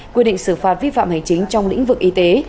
quy định xử phạt vi phạm hành chính trong lĩnh vực y tế